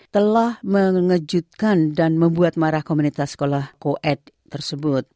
telah mengejutkan dan membuat marah komunitas sekolah koet tersebut